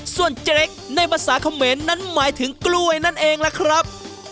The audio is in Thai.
ส่วนเจ๊เล็กในภาษาเขมรนั้นหมายถึงกล้วยนั่นเองล่ะครับ